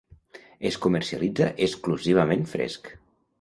Es comercialitza exclusivament fresc.